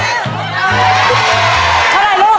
สิบสามแล้วลูก